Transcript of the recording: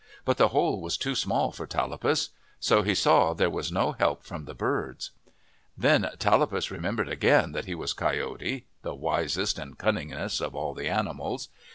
But the hole was too small for Tallapus. So he saw there was no help from the birds. Then Tallapus remembered again that he was Coyote, the wisest and cunningest of all the animals.